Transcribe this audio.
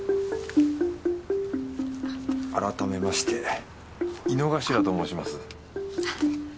改めまして井之頭と申します。